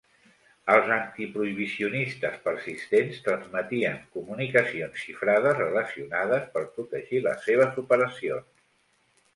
Els antiprohibicionistes persistents transmetien comunicacions xifrades relacionades per protegir les seves operacions.